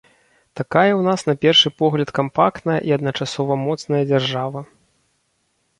Такая ў нас на першы погляд кампактная і адначасова моцная дзяржава.